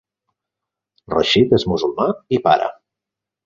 Rasheed és musulmà i pare.